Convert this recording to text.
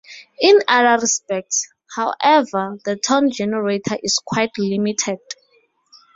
In other respects, however, the tone generator is quite limited.